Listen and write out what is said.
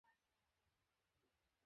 ওঠ, চল, থামিও না।